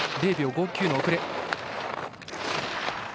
０秒５９の遅れ。